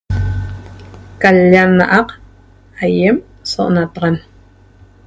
qa l' ya 'a na'ac ayem so'onataxan.